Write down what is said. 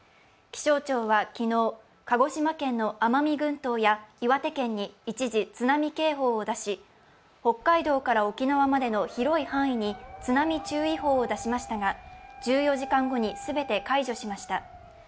気象庁は昨日、鹿児島県の奄美群島や岩手県に一時、津波警報を出し北海道から沖縄までの広い範囲に津波注意報を出しましたが、１４時間後に全て解除しました。